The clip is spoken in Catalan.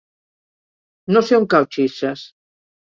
No sé on cau Xilxes.